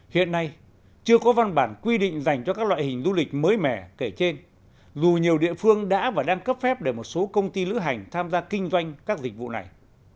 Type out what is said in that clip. hiện nay chưa có văn bản quy định dành cho các loại hình du lịch mới mẻ kể trên dù nhiều địa phương đã và đang cấp phép để một số công ty lữ hành tham gia kinh doanh các dịch vụ này